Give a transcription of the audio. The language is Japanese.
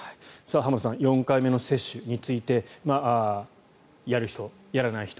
浜田さん４回目の接種についてやる人、やらない人